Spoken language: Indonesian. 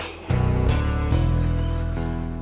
sudah dianggap gak berguna seperti saya